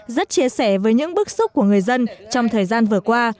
rất chia sẻ với những bức xúc của người dân trong thời gian vừa qua